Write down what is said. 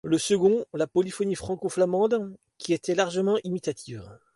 Le second, la polyphonie franco-flamande qui était largement imitative.